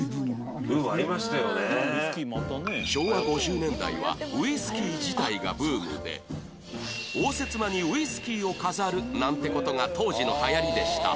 昭和５０年代はウイスキー自体がブームで応接間にウイスキーを飾るなんて事が当時の流行りでした